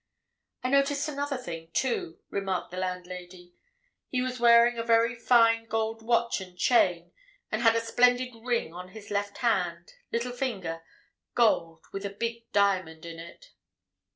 "I noticed another thing, too," remarked the landlady. "He was wearing a very fine gold watch and chain, and had a splendid ring on his left hand—little finger—gold, with a big diamond in it."